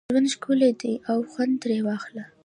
ژوند ښکلی دی او خوند ترې واخله